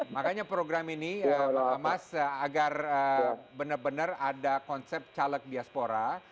makanya program ini mas agar benar benar ada konsep caleg diaspora